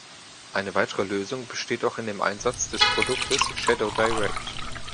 Eine weitere Lösung besteht auch in dem Einsatz des Produktes Shadow Direct.